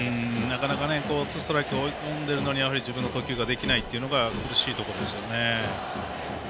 なかなかツーストライクに追い込んでいるのに自分の投球ができないっていうのが苦しいところですよね。